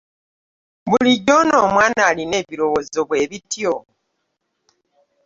Bulijjo ono omwana alina ebirowoozo bwebityo.